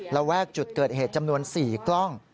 แวกจุดเกิดเหตุจำนวน๔กล้อง